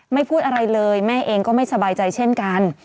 พูดอะไรเลยแม่เองก็ไม่สบายใจเช่นกัน